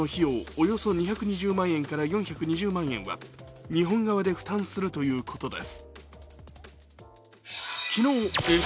およそ２２０万円から４２０万円は、日本側で負担するということです。